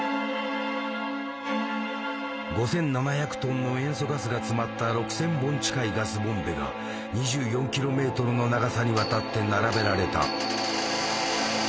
５，７００ｔの塩素ガスが詰まった６，０００本近いガスボンベが２４ｋｍの長さにわたって並べられた。